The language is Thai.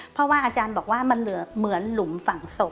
เพราะว่าอาจารย์บอกว่ามันเหลือเหมือนหลุมฝังศพ